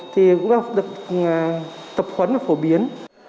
thì cũng được tập khuấn và phổ biến